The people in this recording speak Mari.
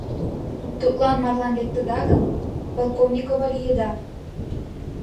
Тудлан марлан лектыда гын, Полковникова лийыда!